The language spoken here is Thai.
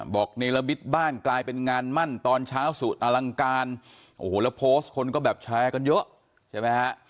เนรมิตบ้านกลายเป็นงานมั่นตอนเช้าสุดอลังการโอ้โหแล้วโพสต์คนก็แบบแชร์กันเยอะใช่ไหมฮะ